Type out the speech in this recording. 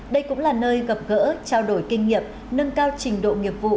đây cũng là nơi gặp gỡ trao đổi kinh nghiệm nâng cao trình độ nghiệp vụ